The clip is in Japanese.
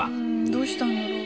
どうしたんだろう？